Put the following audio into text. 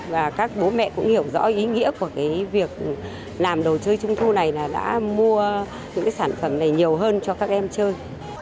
và các bố mẹ cũng hiểu rõ ý nghĩa của cái việc làm đồ chơi trung thu này là đã mua những cái sản phẩm này nhiều hơn cho các em chơi